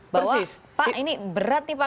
bahwa pak ini berat nih pak